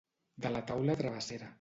De la taula travessera.